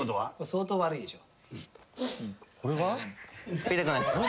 相当悪いでしょ。